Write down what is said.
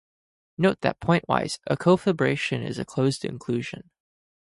Note that pointwise, a cofibration is a closed inclusion.